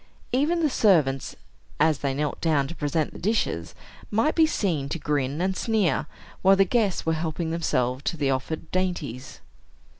Even the servants, as they knelt down to present the dishes, might be seen to grin and sneer, while the guests were helping themselves to the offered dainties.